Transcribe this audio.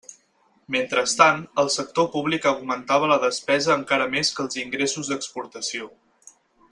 Mentrestant, el sector públic augmentava la despesa encara més que els ingressos d'exportació.